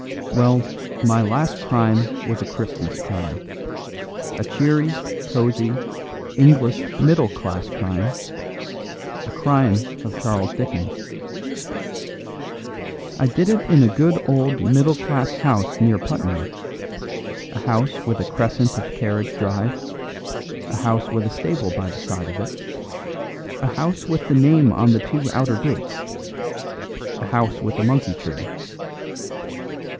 "Well, my last crime was a Christmas crime, a cheery, cosy, English middle class crime; a crime of Charles Dickens. I did it in a good old middle class house near Putney, a house with a crescent of carriage drive, a house with a stable by the side of it, a house with the name on the two outer gates, a house with a monkey tree.